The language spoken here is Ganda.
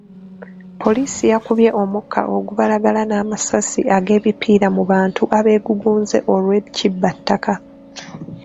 Poliisi yakubye omukka ogubalagala n'amasasi ag'ebipiira mu bantu abeegugunze olw'ekibbattaka.